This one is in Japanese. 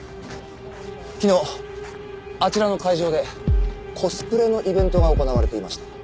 昨日あちらの会場でコスプレのイベントが行われていました。